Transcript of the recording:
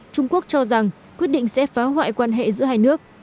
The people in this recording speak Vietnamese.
trung quốc cho rằng quyết định sẽ phá hoại quan hệ giữa hai nước